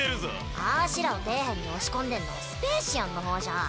あしらを底辺に押し込んでんのはスペーシアンの方じゃん。